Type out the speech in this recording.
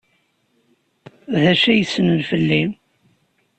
D acu ay ssnen fell-i?